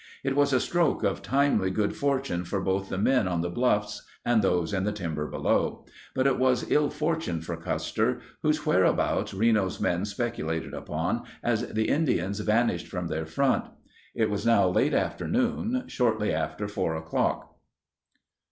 It was a stroke of timely good fortune for both the men on the bluffs and those in the timber below. But it was ill fortune for Custer, whose whereabouts Reno's men speculated upon as the Indians vanished from their front. It was now late afternoon, shortly after four o'clock.